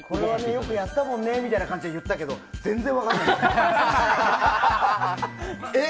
よくやったもんねって感じで言ったけど全然分かんない。